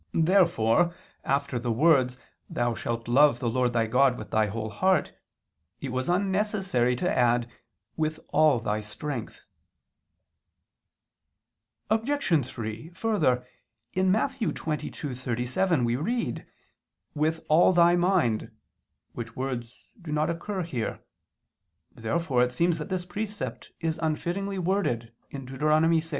Therefore after the words, "Thou shalt love the Lord thy God with thy whole heart," it was unnecessary to add, "with all thy strength." Obj. 3: Further, in Matt. 22:37 we read: "With all thy mind," which words do not occur here. Therefore it seems that this precept is unfittingly worded in Deut. 6.